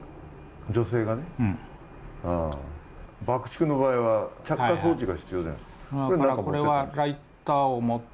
爆竹の場合は着火装置が必要じゃないですか。